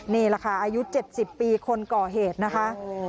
นี่แหละค่ะอายุ๗๐ปีคนก่อเหตุนะคะ